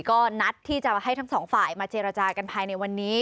ก็นัดที่จะให้ทั้งสองฝ่ายมาเจรจากันภายในวันนี้